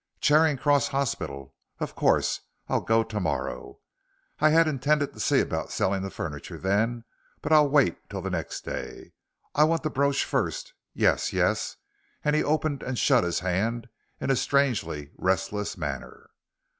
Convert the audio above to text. "Charing Cross Hospital of course. I'll go to morrow. I had intended to see about selling the furniture then, but I'll wait till the next day. I want the brooch first yes yes," and he opened and shut his hand in a strangely restless manner.